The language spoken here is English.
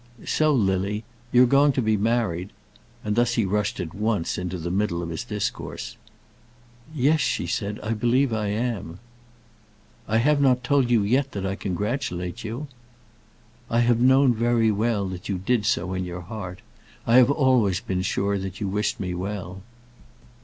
So, Lily, you're going to be married?" And thus he rushed at once into the middle of his discourse. "Yes," said she, "I believe I am." "I have not told you yet that I congratulated you." "I have known very well that you did so in your heart. I have always been sure that you wished me well."